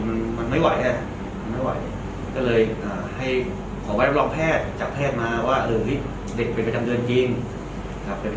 หันหน้าเข้าหาตรงชาติหันหลังให้หลานผม